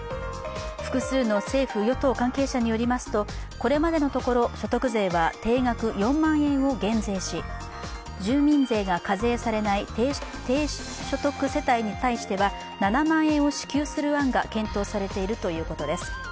複数の政府・与党関係者によりますとこれまでのところ所得税は定額４万円を減税し住民税が課税されない低所得世帯に対しては７万円を支給する案が検討されているということです。